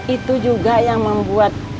itu juga yang membuat